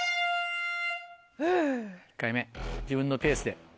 １回目自分のペースで。